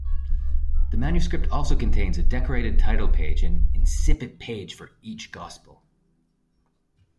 The manuscript also contains a decorated title page and incipit page for each gospel.